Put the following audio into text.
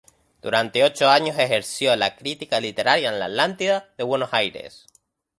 Durante ocho años ejerció la crítica literaria en "La Atlántida", de Buenos Aires.